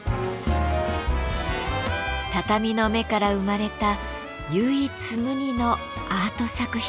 畳の目から生まれた唯一無二のアート作品です。